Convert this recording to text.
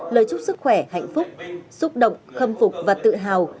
lời chúc sức khỏe hạnh phúc xúc động khâm phục và tự hào